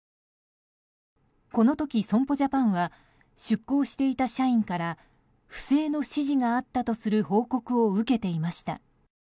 この時、損保ジャパンは出向していた社員から不正の指示があったとする報告を受けていました。